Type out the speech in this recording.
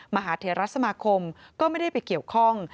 มหาเทรสมาคมก็ไม่ได้ไปเกี่ยวข้อง